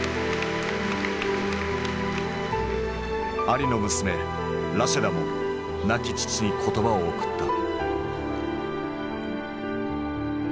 アリの娘ラシェダも亡き父に言葉を贈った。